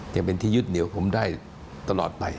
จะเป็นที่ยึดเหนียวผมได้ตลอดไป